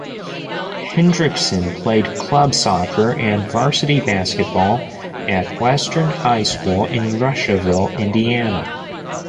Hendrickson played club soccer and varsity basketball at Western High School in Russiaville, Indiana.